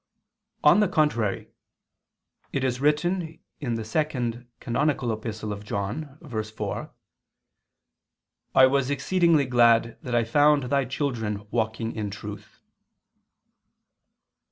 On the contrary, It is written in the second canonical epistle of John (verse 4): "I was exceeding glad that I found thy children walking in truth."